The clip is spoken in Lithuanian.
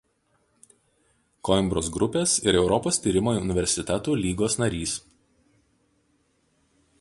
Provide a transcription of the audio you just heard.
Koimbros grupės ir Europos tyrimo universitetų lygos narys.